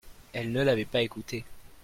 Elles ne l'avaient pas écouté.